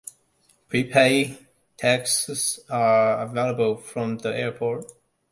Pre-paid taxis are available from the airport.